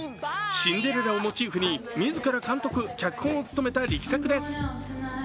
シンデレラをモチーフに自ら監督・脚本を務めた力作です。